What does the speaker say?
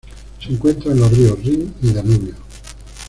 Se encuentra en los ríos Rin y Danubio.